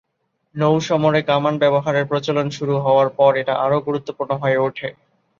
নৌ-সমরে কামান ব্যবহারের প্রচলন শুরু হওয়ার পর এটা আরও গুরুত্বপূর্ণ হয়ে ওঠে।